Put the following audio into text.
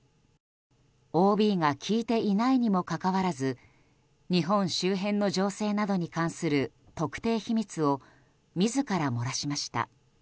ＯＢが聞いていないにもかかわらず日本周辺の情勢などに関する特定秘密を自ら漏らしました。